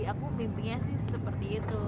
aku mimpinya sih seperti itu